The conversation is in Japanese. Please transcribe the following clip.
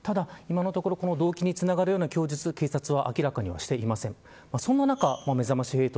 今のところ、動機につながるような供述を警察は明らかにしていません。